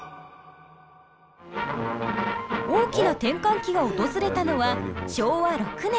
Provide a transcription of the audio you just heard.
大きな転換期が訪れたのは昭和６年。